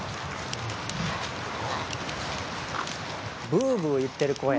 ブーブーいってる声。